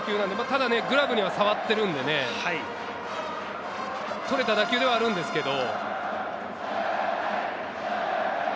ただグラブに触っているので、捕れた打球ではあるんですけれど。